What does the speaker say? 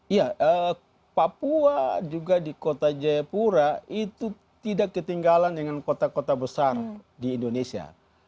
iya papua juga di kota jayapura itu tidak ketinggalan dengan kota kota besar di indonesia